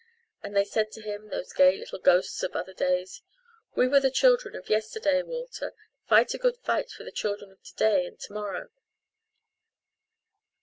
And they said to him, those gay little ghosts of other days, "We were the children of yesterday, Walter fight a good fight for the children of to day and to morrow."